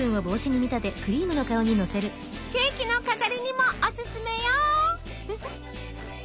ケーキの飾りにもおすすめよ。